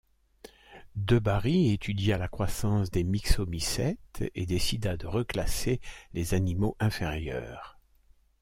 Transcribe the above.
De Bary étudia la croissance des myxomycètes, et décida de reclasser les animaux inférieurs.